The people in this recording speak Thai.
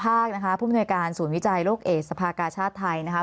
ผ่วงพยาบาลิศรัปนิยการศูนย์วิจัยโลกเอกสภากาชาติไทยนะคะ